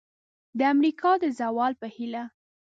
د امریکا د زوال په هیله!